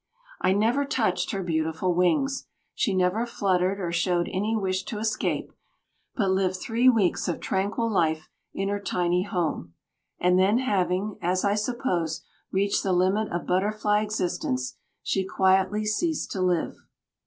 I never touched her beautiful wings. She never fluttered or showed any wish to escape, but lived three weeks of tranquil life in her tiny home; and then having, as I suppose, reached the limit of butterfly existence, she quietly ceased to live.